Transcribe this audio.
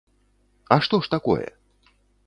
А што ж такое?